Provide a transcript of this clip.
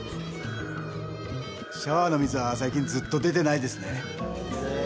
シャワーの水は最近ずっと出てないですね。